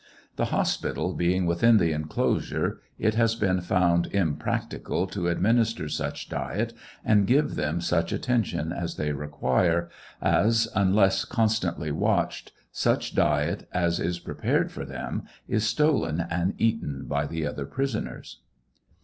The hospital being within the enclosure, it has been found impracticable to administer such diet, and give them such attention as they require, as, unless constantly watched, such diet as is prepared for them is stolen and eaten by the other prisoners.